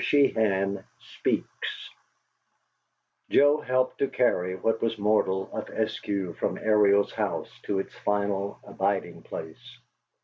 SHEEHAN SPEAKS Joe helped to carry what was mortal of Eskew from Ariel's house to its final abiding place.